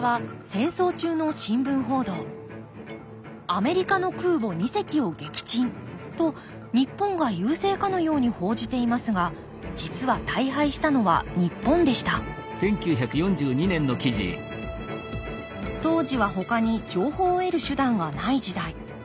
「アメリカの空母二隻を撃沈」と日本が優勢かのように報じていますが実は大敗したのは日本でした当時はほかに情報を得る手段がない時代。